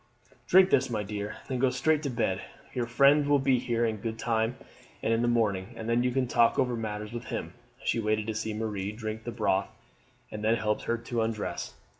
"Drink this, my dear, and then go straight to bed; your friend will be here in good time in the morning, and then you can talk over matters with him." She waited to see Marie drink the broth, and then helped her to undress.